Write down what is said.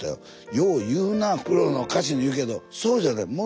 「よう言うなプロの歌手に」いうけどそうじゃない。